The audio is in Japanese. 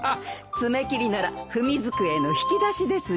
爪切りなら文机の引き出しですよ。